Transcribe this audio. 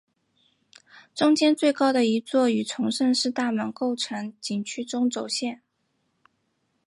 中间最高的一座与崇圣寺大门构成景区中轴线。